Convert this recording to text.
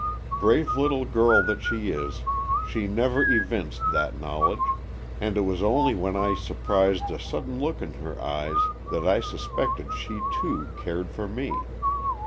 Brave little girl that she is, she never evinced that knowledge, and it was only when I surprised a sudden look in her eyes that I suspected she too cared for me.